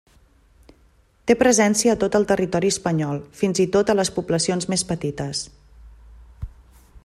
Té presència a tot el territori espanyol, fins i tot a les poblacions més petites.